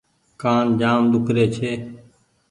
ڪآن جآم ۮوکري ڇي ۔